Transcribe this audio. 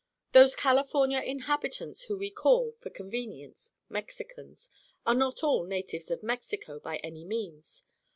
Those California inhabitants whom we call, for convenience, "Mexicans," are not all natives of Mexico, by any means.